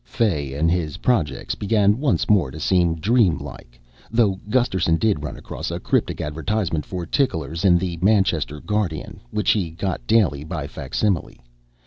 Fay and his projects began once more to seem dreamlike, though Gusterson did run across a cryptic advertisement for ticklers in The Manchester Guardian, which he got daily by facsimile.